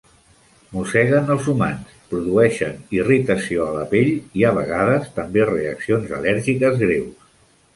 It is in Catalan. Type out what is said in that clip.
Mosseguen els humans, produeixen irritació a la pell, i a vegades també reaccions al·lèrgiques greus.